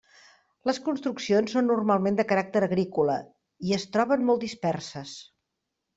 Les construccions són normalment de caràcter agrícola i es troben molt disperses.